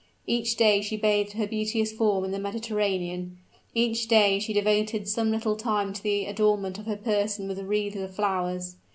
Each day she bathed her beauteous form in the Mediterranean; each day she devoted some little time to the adornment of her person with wreaths of flowers.